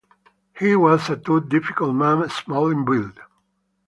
He was a tough, difficult man, small in build.